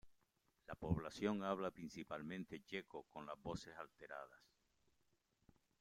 La población habla principalmente checo con las vocales alteradas.